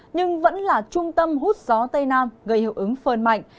nhưng vẫn là trung tâm hút gió tây nam gây hiệu ứng phơn mạnh